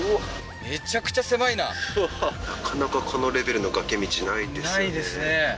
めちゃくちゃ狭いななかなかこのレベルの崖道ないですよねないですね